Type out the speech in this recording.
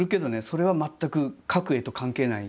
それは全く描く絵と関係ない。